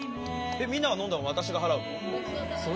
みんなが飲んだの私が払うの？